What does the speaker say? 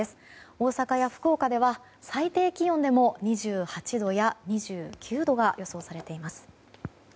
大阪や福岡では最低気温でも２８度や２９度が予想されています。